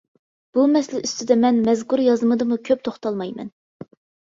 بۇ مەسىلە ئۈستىدە مەن مەزكۇر يازمىدىمۇ كۆپ توختالمايمەن.